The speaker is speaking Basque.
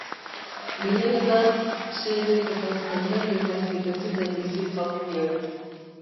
Gehienetan, sehiek eta zaindariek baizik ez zuten bizi jauregi hori.